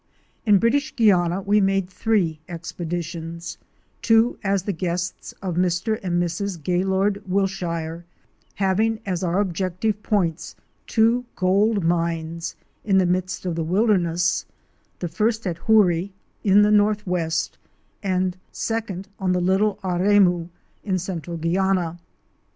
In British Guiana we made three expeditions; two as the guests of Mr. and Mrs. Gaylord Wilshire, having as our objective points two gold mines in the midst of the wilderness, the first at Hoorie in the northwest, the second on the Little Aremu in central Guiana.